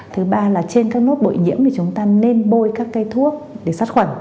thứ ba là trên các nốt bội nhiễm thì chúng ta nên bôi các cây thuốc để sát khuẩn